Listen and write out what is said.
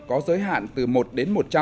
có giới hạn từ một đến một trăm linh